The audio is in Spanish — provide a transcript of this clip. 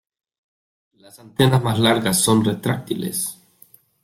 Las antenas más largas son retráctiles.